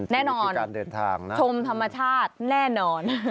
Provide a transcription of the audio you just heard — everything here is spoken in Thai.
แน่นอนชมธรรมชาติแน่นอน